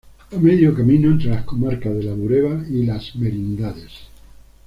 A medio camino entre las comarcas de la Bureba y Las Merindades.